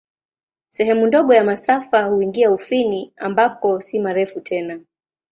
Sehemu ndogo ya masafa huingia Ufini, ambako si marefu tena.